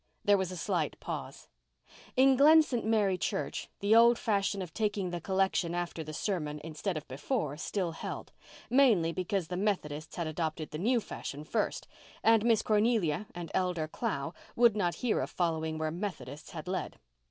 There was a slight pause. In Glen St. Mary church the old fashion of taking the collection after the sermon instead of before still held—mainly because the Methodists had adopted the new fashion first, and Miss Cornelia and Elder Clow would not hear of following where Methodists had led.